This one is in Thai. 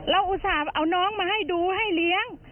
อุตส่าห์เอาน้องมาให้ดูให้เลี้ยง